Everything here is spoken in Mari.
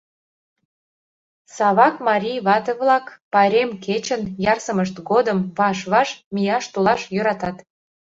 ...Савак марий вате-влак пайрем кечын ярсымышт годым ваш-ваш мияш-толаш йӧратат.